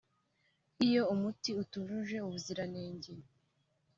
Iyo umuti utujuje ubuziranenge